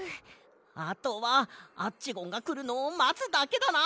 あとはアッチゴンがくるのをまつだけだな！